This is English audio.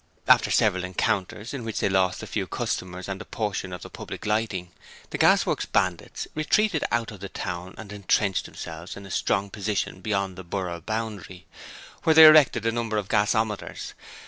After several encounters, in which they lost a few customers and a portion of the public lighting, the Gasworks Bandits retreated out of the town and entrenched themselves in a strong position beyond the borough boundary, where they erected a number of gasometers.